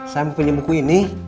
saya mau pinjem buku ini